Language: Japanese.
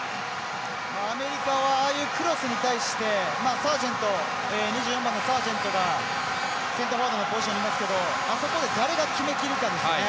アメリカはああいうクロスに対して２４番のサージェントがセンターフォワードのポジションにいますけどあそこで誰が決めきるかですね